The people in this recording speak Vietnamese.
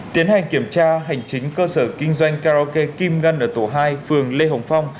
tiến hành kiểm tra hành chính cơ sở kinh doanh karaoke kim ngân ở tổ hai phường lê hồng phong